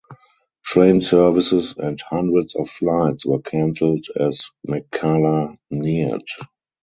Train services and hundreds of flights were cancelled as Mekkhala neared.